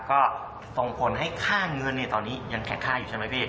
ก็สมควรให้ค่าเงินเนี่ยตอนนี้ยังแข็งค่าอยู่ใช่ไหมพี่เอก